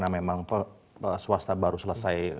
memang swasta baru selesai